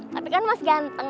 tapi kan mas ganteng